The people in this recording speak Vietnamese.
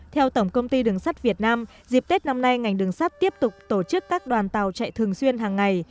theo tổng công ty đường sắt việt nam dịp tết năm nay ngành đường sắt tiếp tục tổ chức các đoàn tàu chạy thường xuyên hàng ngày